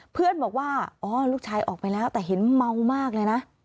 เพื่อนบอกว่าอ๋อลูกชายออกไปแล้วแต่เห็นเมามากเลยนะ